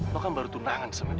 lu kan baru tunangan sama dia